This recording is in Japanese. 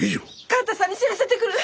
勘太さんに知らせてくる！